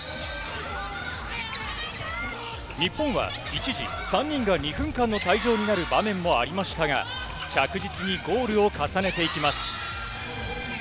日本は、一時３人が２分間の退場になる場面もありましたが、着実にゴールを重ねていきます。